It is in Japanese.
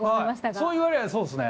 そう言われりゃそうですね。